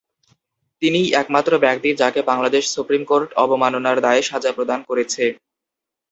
তিনিই একমাত্র ব্যক্তি যাকে বাংলাদেশ সুপ্রিম কোর্ট অবমাননার দায়ে সাজা প্রদান করেছে।